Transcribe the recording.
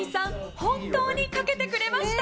本当にかけてくれました。